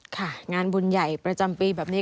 ค่ะงานบุญใหญ่ประจำปีแบบนี้